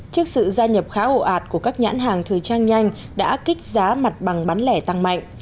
trước sự gia nhập khá ồ ạt của các nhãn hàng thời trang nhanh đã kích giá mặt bằng bán lẻ tăng mạnh